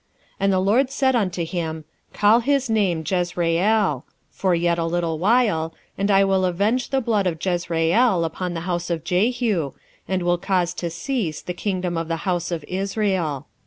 1:4 And the LORD said unto him, Call his name Jezreel; for yet a little while, and I will avenge the blood of Jezreel upon the house of Jehu, and will cause to cease the kingdom of the house of Israel.